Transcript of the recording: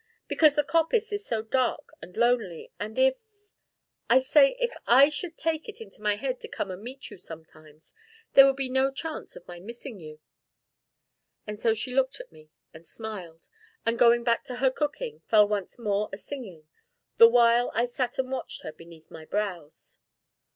"Because the coppice is so dark and lonely, and if I say, if I should take it into my head to come and meet you sometimes, there would be no chance of my missing you." And so she looked at me and smiled, and, going back to her cooking, fell once more a singing, the while I sat and watched her beneath my brows.